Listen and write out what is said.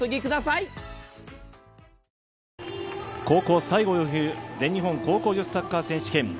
高校最後の全日本高校女子サッカー選手権。